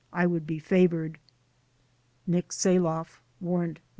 ... I would be favored." Nick Saloflf (Warrant No.